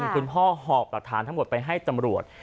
คุณพ่อหอบหลักฐานทั้งหมดไปให้ตำรวจ